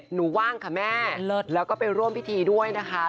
ว่างค่ะแม่แล้วก็ไปร่วมพิธีด้วยนะคะ